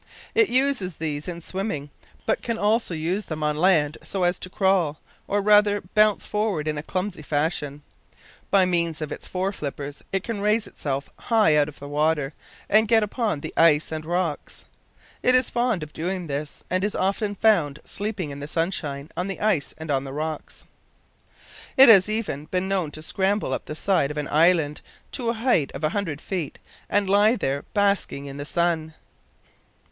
It uses these in swimming, but can also use them on land, so as to crawl, or rather to bounce forward in a clumsy fashion. By means of its fore flippers it can raise itself high out of the water, and get upon the ice and rocks. It is fond of doing this, and is often found sleeping in the sunshine on the ice and on rocks. It has even been known to scramble up the side of an island to a height of a hundred feet, and there lie basking in the sun.